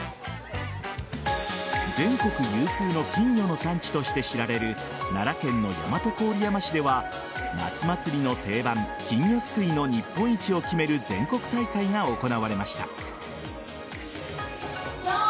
全国有数の金魚の産地として知られる奈良県の大和郡山市では夏祭りの定番金魚すくいの日本一を決める全国大会が行われました。